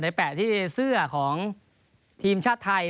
แปะที่เสื้อของทีมชาติไทย